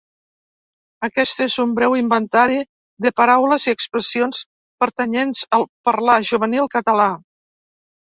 Aquest és un breu inventari de paraules i expressions pertanyents al parlar juvenil català.